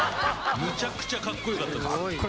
むちゃくちゃカッコよかったです。